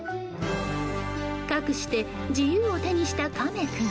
かくして自由を手にしたカメ君。